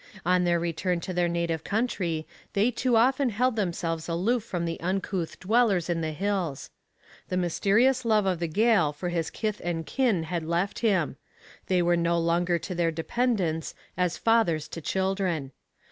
On their return to their native country they too often held themselves aloof from the uncouth dwellers in the hills. The mysterious love of the Gael for his kith and kin had left them; they were no longer to their dependants as fathers to children.